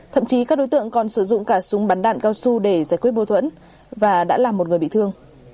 thậm chí các đối tượng còn sử dụng cả súng bắn đạn cao su để giải quyết bâu thuẫn và đã làm một người bị thương